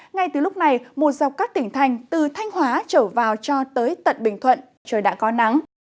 ngay từ lúc này một dọc các tỉnh thành từ thanh hóa trở vào cho tới tận bình thuận trời đã có nắng